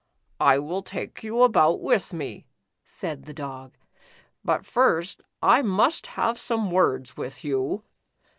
" I will take you about with me," said the Dog, " but first I must have some words with you.